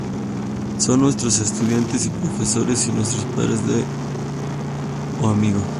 Son nuestros estudiantes y profesores y nuestros padres o amigos.